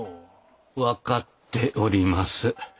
分かっております。